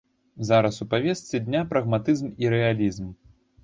Зараз у павестцы дня прагматызм і рэалізм.